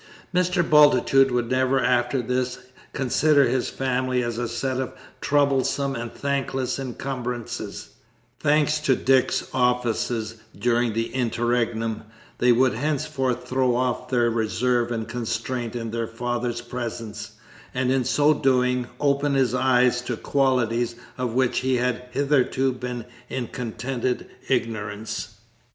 Mr. Bultitude would never after this consider his family as a set of troublesome and thankless incumbrances; thanks to Dick's offices during the interregnum, they would henceforth throw off their reserve and constraint in their father's presence, and in so doing, open his eyes to qualities of which he had hitherto been in contented ignorance.